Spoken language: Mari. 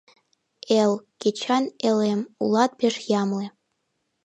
Эл, кечан элем, улат пеш ямле…